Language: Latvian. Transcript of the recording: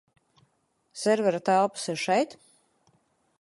Servera telpas ir šeit?